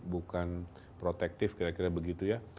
bukan protektif kira kira begitu ya